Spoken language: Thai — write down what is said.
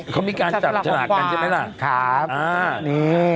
เขามีการจับฉลากกันใช่ไหมล่ะครับอ่านี่